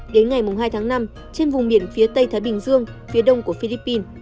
đến ngày hai tháng năm trên vùng biển phía tây thái bình dương phía đông của philippines